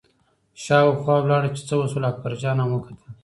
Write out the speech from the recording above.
شاوخوا لاړه چې څه وشول، اکبرجان هم وکتل.